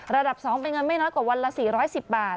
ระดับ๒เป็นเงินไม่น้อยกว่าวันละ๔๑๐บาท